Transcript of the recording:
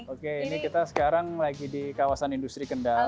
oke ini kita sekarang lagi di kawasan industri kendal